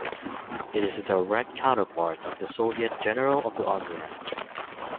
It is a direct counterpart of the Soviet "General of the army" rank.